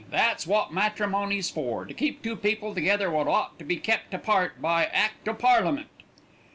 That's wot matrimony's for, to keep two people together wot ought to be kept apart by Act o' Parliament."